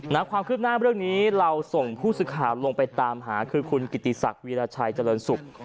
ความคืบหน้าเรื่องนี้เราส่งผู้สื่อข่าวลงไปตามหาคือคุณกิติศักดิราชัยเจริญศุกร์